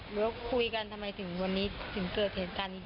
หรือว่าคุยกันทำไมถึงวันนี้ถึงเกิดเหตุการณ์นี้